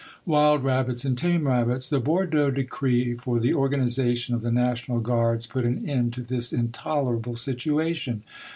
WILD RABBITS AND TAME RABBITS. The Bordeaux decree for the organization of the national guards put an end to this intolerable situation.